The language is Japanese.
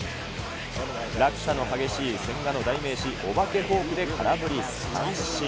落差の激しい千賀の代名詞、お化けフォークで空振り三振。